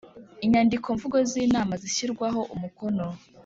Inyandikomvugo z inama zishyirwaho umukono